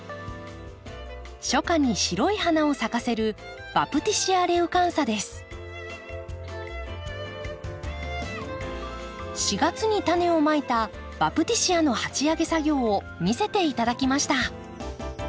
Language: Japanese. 初夏に白い花を咲かせる４月にタネをまいたバプティシアの鉢上げ作業を見せていただきました。